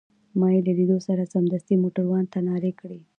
ما يې له لیدو سره سمدستي موټروان ته نارې کړې.